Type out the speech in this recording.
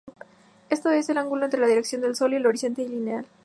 Esto es, el ángulo entre la dirección del sol y el horizonte ideal.